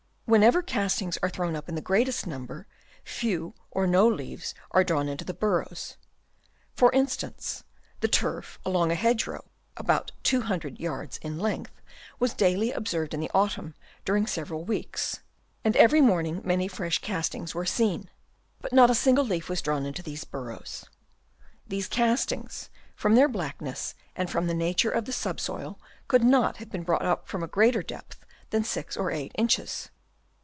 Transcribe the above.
When ever castings are thrown up in the greatest number, few or no leaves are drawn into the burrows ; for instance the turf along a hedge row, about 200 yards in length, was daily observed in the autumn during several weeks, and every morning many fresh castings were Chap. II. EAKTH SWALLOWED AS FOOD. 107 seen ; but not a single leaf was drawn into these burrows. These castings from their blackness and from the nature of the subsoil could not have been brought up from a greater depth than 6 or 8 inches.